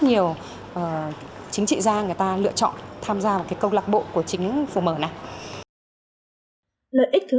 nhiều chính trị gia người ta lựa chọn tham gia vào cái câu lạc bộ của chính phủ mở này lợi ích thứ